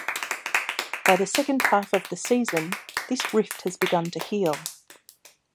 By the second half of the season, this rift has begun to heal.